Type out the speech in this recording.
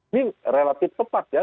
ini relatif tepat ya